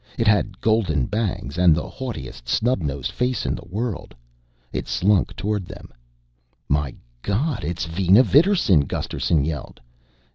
It had golden bangs and the haughtiest snub nosed face in the world. It slunk toward them. "My God, Vina Vidarsson!" Gusterson yelled.